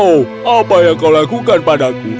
oh apa yang kau lakukan padaku